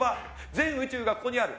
全宇宙がここにある。